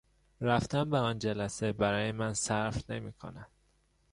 رفتن به آن جلسه برای من صرف نمیکند.